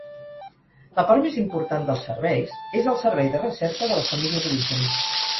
La part més important dels serveis és el servei de recerca de la família d'origen.